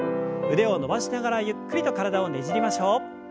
腕を伸ばしながらゆっくりと体をねじりましょう。